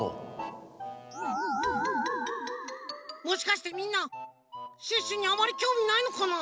もしかしてみんなシュッシュにあまりきょうみないのかな？